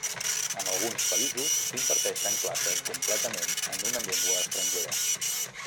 En alguns països s'imparteixen classes completament en una llengua estrangera.